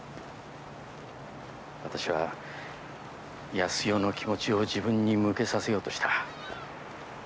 私は康代の気持ちを自分に向けさせようとした。